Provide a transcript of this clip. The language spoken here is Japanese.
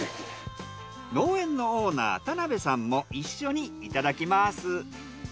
農園のオーナー田辺さんも一緒にいただきます。